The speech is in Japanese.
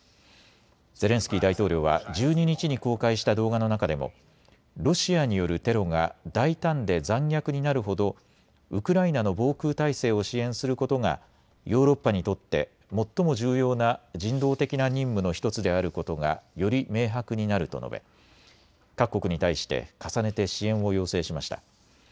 ゼレンスキー大統領は１２日に公開した動画の中でもロシアによるテロが大胆で残虐になるほどウクライナの防空体制を支援することがヨーロッパにとって最も重要な人道的な任務の１つであることがより明白になると述べ各国に対して重ねて支援を要請しました。